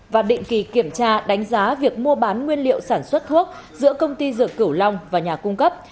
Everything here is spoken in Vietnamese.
và định kỳ kiểm tra đánh giá việc mua bán nguyên liệu sản xuất thuốc giữa công ty dược cửu long và nhà cung cấp